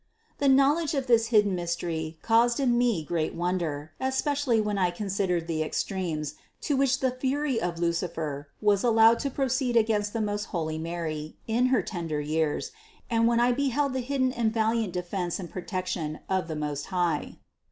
698. The knowledge of this hidden mystery caused in 536 CITY OF GOD me great wonder, especially when I considered the ex tremes, to which the fury of Lucifer was allowed to pro ceed against the most holy Mary in her tender years and when I beheld the hidden and vigilant defense and protec tion of the Most High.